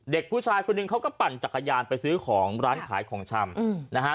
เด็กผู้ชายคนหนึ่งเขาก็ปั่นจักรยานไปซื้อของร้านขายของชำนะฮะ